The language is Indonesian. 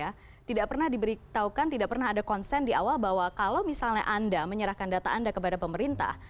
karena tidak pernah diberitahukan tidak pernah ada konsen di awal bahwa kalau misalnya anda menyerahkan data anda kepada pemerintah